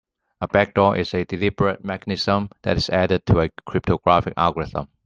A backdoor is a deliberate mechanism that is added to a cryptographic algorithm.